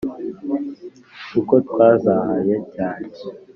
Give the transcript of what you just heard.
Kuko twazahaye cyane